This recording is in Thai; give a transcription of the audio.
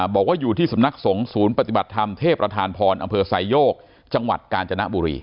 บอกว่าอยู่ที่สำนักสงฆ์ศูนย์ปฏิบัติธรรมเทพประธานพรอำเภอไซโยกจังหวัดกาญจนบุรี